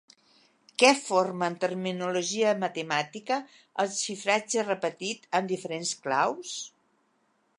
Què forma en terminologia matemàtica el xifratge repetit amb diferents claus?